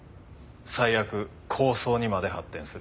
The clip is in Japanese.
最悪抗争にまで発展する。